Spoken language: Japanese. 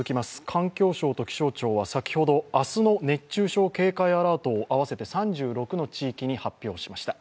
環境省と気象庁は、先ほど明日の熱中症警戒アラートを合わせて３６の地域に発表しました。